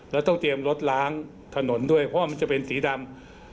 แล้วต้องเตรียมรถล้างถนนด้วยเพราะว่ามันจะเป็นสีดำ